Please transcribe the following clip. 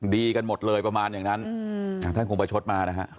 ดีกันหมดเลยประมาณอย่างนั้นท่านคงประชดมานะฮะ